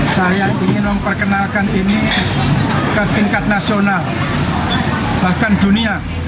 saya ingin memperkenalkan ini ke tingkat nasional bahkan dunia